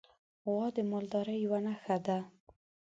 غوا د مالدارۍ یوه نښه ده.